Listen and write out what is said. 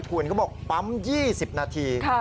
คุณเขาบอกปั๊ม๒๐นาที